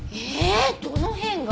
どの辺が？